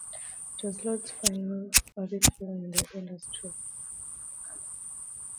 It was Lords' final adult film in the industry.